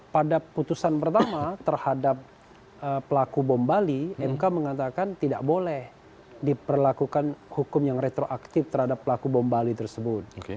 pada putusan pertama terhadap pelaku bom bali mk mengatakan tidak boleh diperlakukan hukum yang retroaktif terhadap pelaku bom bali tersebut